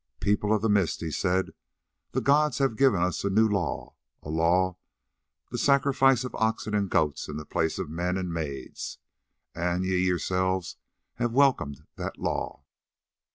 "People of the Mist," he said, "the gods have given us a new law, a law of the sacrifice of oxen and goats in the place of men and maids, and ye yourselves have welcomed that law.